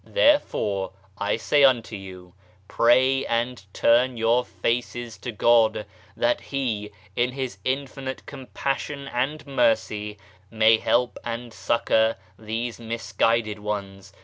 Therefore, I say unto you pray pray and turn your faces to God, that He, in His infinite compassion and mercy, may help and succour these misguided ones.